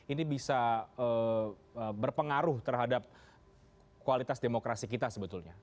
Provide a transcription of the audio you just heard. ini bisa berpengaruh terhadap kualitas demokrasi kita sebetulnya